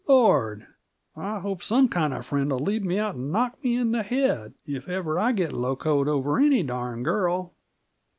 "Lord! I hope some kind friend'll lead me out an' knock me in the head, if ever I get locoed over any darned girl!"